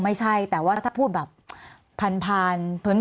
มีความรู้สึกว่ามีความรู้สึกว่ามีความรู้สึกว่า